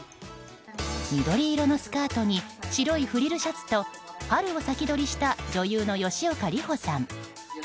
緑色のスカートに白いフリルシャツと春を先取りした女優の吉岡里帆さん。